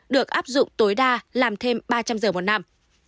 được áp dụng tối đa làm thêm ba trăm linh giờ một năm